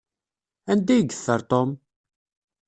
Anda ay yeffer Tom?